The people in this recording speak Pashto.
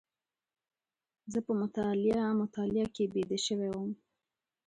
زه په مطالعه مطالعه کې بيده شوی وم.